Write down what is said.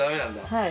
はい。